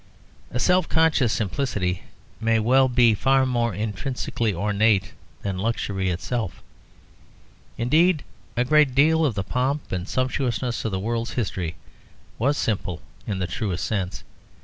A self conscious simplicity may well be far more intrinsically ornate than luxury itself. Indeed, a great deal of the pomp and sumptuousness of the world's history was simple in the truest sense.